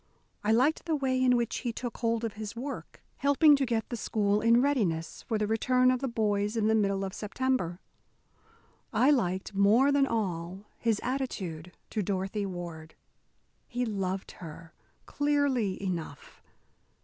I liked the way in which he took hold of his work, helping to get the school in readiness for the return of the boys in the middle of September. I liked, more than all, his attitude to Dorothy Ward. He loved her, clearly enough.